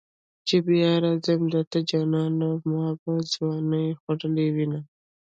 چې بیا راځم درته جانانه ما به ځوانی خوړلې وینه.